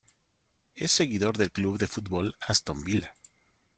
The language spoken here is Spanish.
Es seguidor del club de fútbol Aston Villa.